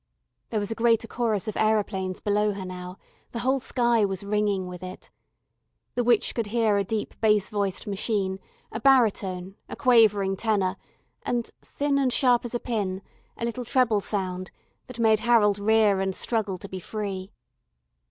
There was a greater chorus of aeroplanes below her now; the whole sky was ringing with it. The witch could hear a deep bass voiced machine, a baritone, a quavering tenor, and thin and sharp as a pin a little treble sound that made Harold rear and struggle to be free.